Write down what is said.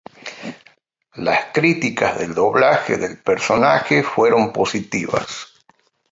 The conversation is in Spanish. Las críticas del doblaje del personaje fueron positivas.